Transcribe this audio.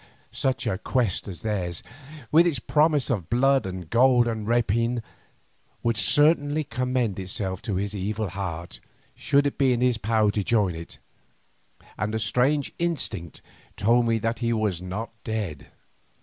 Such a quest as theirs, with its promise of blood, and gold, and rapine, would certainly commend itself to his evil heart should it be in his power to join it, and a strange instinct told me that he was not dead.